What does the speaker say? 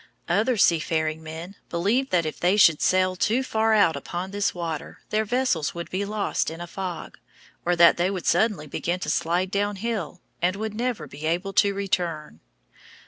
Other seafaring men believed that if they should sail too far out upon this water their vessels would be lost in a fog, or that they would suddenly begin to slide downhill, and would never be able to return.